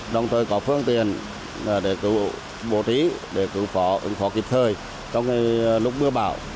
đồng thời có phương tiền để cứu bố tí để cứu phó ứng phó kịp thời trong lúc mưa bão